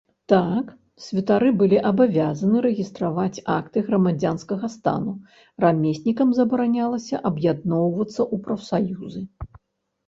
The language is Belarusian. Так, святары былі абавязаны рэгістраваць акты грамадзянскага стану, рамеснікам забаранялася аб'ядноўвацца ў прафсаюзы.